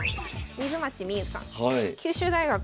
水町みゆさん。